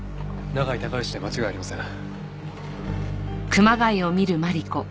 永井孝良で間違いありません。